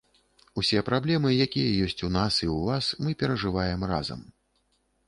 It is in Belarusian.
Усе праблемы, якія ёсць у нас і ў вас, мы перажываем разам.